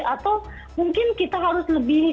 atau mungkin kita harus lebih